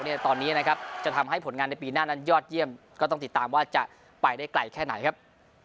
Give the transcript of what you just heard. ในตอนนี้นะครับจะทำให้ผลงานในปีหน้านั้นยอดเยี่ยมก็ต้องติดตามว่าจะไปได้ไกลแค่ไหนครับ